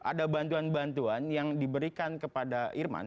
ada bantuan bantuan yang diberikan kepada irman